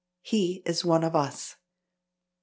He is one of us." 2.